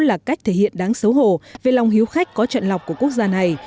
là cách thể hiện đáng xấu hồ về lòng hiếu khách có trận lọc của quốc gia này